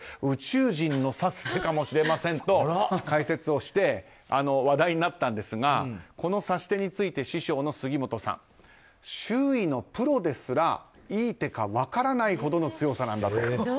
宇宙人の指す手かもしれませんと解説をして話題になったんですがこの指し手について師匠の杉本さん周囲のプロですら、いい手か分からないほどの強さだと。